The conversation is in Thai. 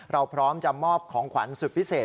พร้อมจะมอบของขวัญสุดพิเศษ